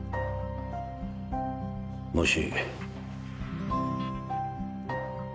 もし。